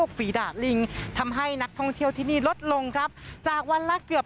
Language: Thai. พระปางสามยอดที่เป็นจุดไฮไลท์ที่นักท่องเที่ยวทั้งชาวไทยและต่างชาติต้องมาถ่ายรูป